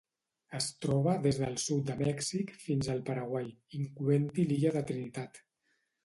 Es troba des del sud de Mèxic fins al Paraguai, incloent-hi l'illa de Trinitat.